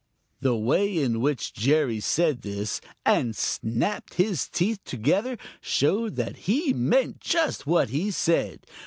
The way in which Jerry said this and snapped his teeth together showed that he meant just what he said.